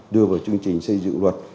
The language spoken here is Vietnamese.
đưa vào chương trình xây dự luật